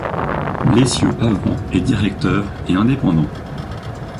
L'essieu avant est directeur et indépendant.